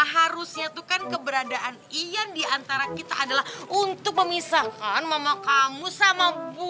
harusnya tuh kan keberadaan ian diantara kita adalah untuk memisahkan mama kamu sama bubu